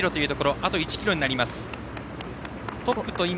あと１ｋｍになります。